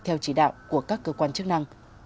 theo chỉ đạo của các cơ quan chức năng